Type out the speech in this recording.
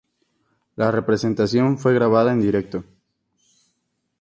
La representación fue grabada en directo.